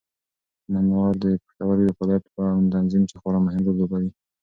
انار د پښتورګو د فعالیت په تنظیم کې خورا مهم رول لوبوي.